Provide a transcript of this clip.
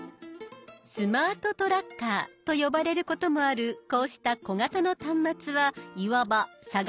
「スマートトラッカー」と呼ばれることもあるこうした小型の端末はいわば探し物発見器。